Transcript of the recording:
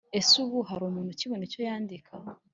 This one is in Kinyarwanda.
ese ubu har’umuntu ukibona icyo yandika